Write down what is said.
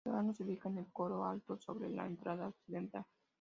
El órgano se ubica en el coro alto sobre la entrada occidental.